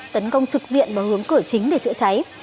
tấn công trực diện vào hướng cửa chính để chữa cháy